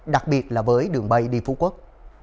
đặc biệt là với đường bay đi phú quốc